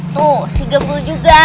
tuh si gemlu juga